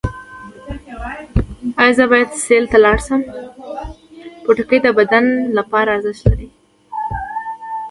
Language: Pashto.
د اسطوخودوس غوړي د خوب لپاره وکاروئ